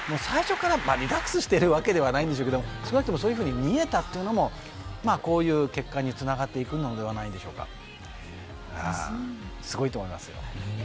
最初からリラックスしているわけではないんでしょうが少なくともそういうふうに見えたというのはこういう結果につながっていくのではないでしょうか。